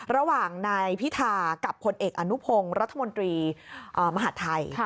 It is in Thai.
ระหว่างนายพิธากับผลเอกอนุพงศ์รัฐมนตรีมหาดไทย